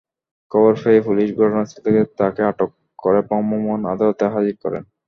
খবর পেয়ে পুলিশ ঘটনাস্থল থেকে তাঁকে আটক করে ভ্রাম্যমাণ আদালতে হাজির করেন।